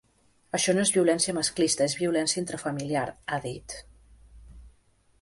Això no és violència masclista, és violència intrafamiliar, ha dit.